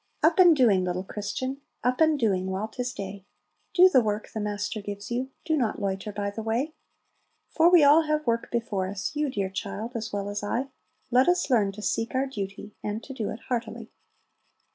'Up and doing, little Christian! Up and doing, while 'tis day! Do the work the Master gives you. Do not loiter by the way. For we all have work before us, You, dear child, as well as I; Let us learn to seek our duty, And to 'do it heartily.' 28.